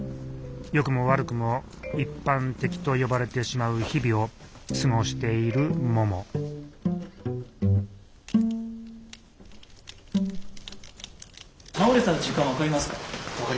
よくも悪くも一般的と呼ばれてしまう日々を過ごしているもも倒れた時間分かりますか？